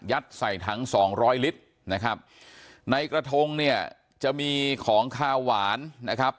ยัดใส่ทั้ง๒๐๐ลิตรในกระทงเนี่ยจะมีของคาหวานนะครับ